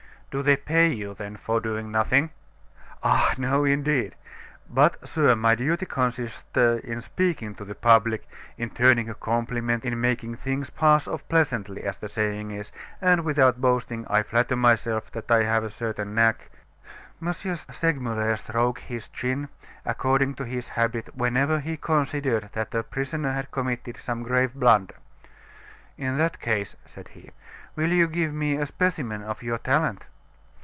"Do they pay you, then, for doing nothing?" "Ah, no, indeed! But, sir, my duty consists in speaking to the public, in turning a compliment, in making things pass off pleasantly, as the saying is; and, without boasting, I flatter myself that I have a certain knack " M. Segmuller stroked his chin, according to his habit whenever he considered that a prisoner had committed some grave blunder. "In that case," said he, "will you give me a specimen of your talent?"